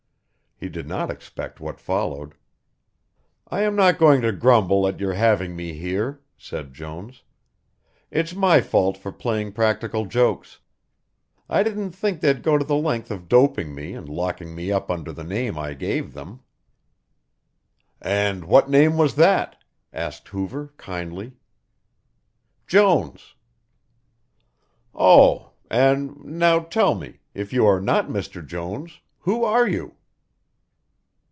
He did not expect what followed. "I am not going to grumble at your having me here," said Jones; "it's my fault for playing practical jokes. I didn't think they'd go the length of doping me and locking me up under the name I gave them." "And what name was that?" asked Hoover kindly. "Jones." "Oh, and now tell me, if you are not Mr. Jones, who are you?"